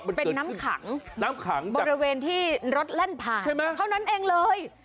เป็นน้ำขังน้ำขังบริเวณที่รถแล่นผ่านใช่ไหมเท่านั้นเองเลย